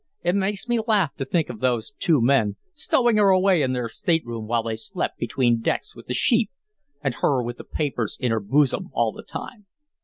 It makes me laugh to think of those two men stowing her away in their state room while they slept between decks with the sheep, and her with the papers in her bosom all the time.